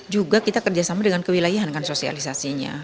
juga kita kerjasama dengan kewilayahan kan sosialisasinya